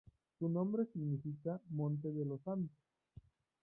Su nombre significa "Monte de los Santos".